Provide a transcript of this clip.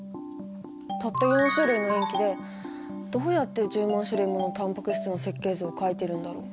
たった４種類の塩基でどうやって１０万種類ものタンパク質の設計図を描いてるんだろう？